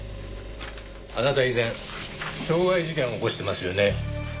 あなた以前傷害事件を起こしてますよね？